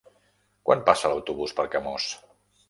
Quan passa l'autobús per Camós?